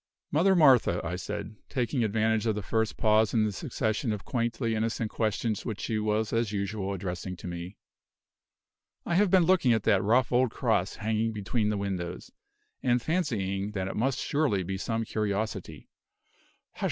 "Mother Martha," said I, taking advantage of the first pause in the succession of quaintly innocent questions which she was as usual addressing to me, "I have been looking at that rough old cross hanging between the windows, and fancying that it must surely be some curiosity " "Hush!